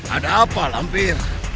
ada apa lampir